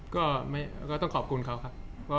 ก็ต้องขอบคุณเขาครับ